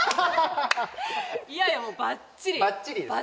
いやいやもうばっちり。